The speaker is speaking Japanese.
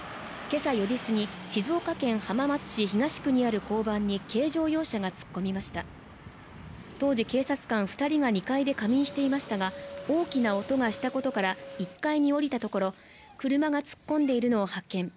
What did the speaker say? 今朝４時過ぎ静岡県浜松市東区にある交番に軽乗用車が突っ込みました当時警察官二人が２階で仮眠していましたが大きな音がしたことから１階に下りたところ車が突っ込んでいるのを発見